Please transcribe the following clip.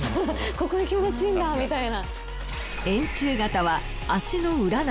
ここが気持ちいいんだみたいな。